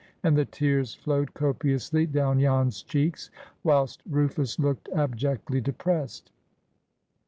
And the tears flowed copiously down Jan's cheeks, whilst Rufus looked abjectly depressed.